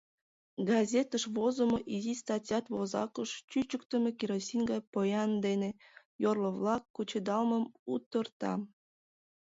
Газетыш возымо изи статьят возакыш чӱчыктымӧ керосин гай поян дене йорло-влак кучедалмым утырта.